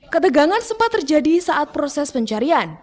ketegangan sempat terjadi saat proses pencarian